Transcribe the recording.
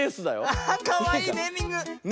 アハッかわいいネーミング。ね。